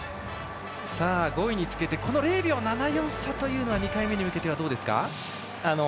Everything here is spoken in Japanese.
５位につけてこの０秒７４差というのは２回目に向けては、どうですか？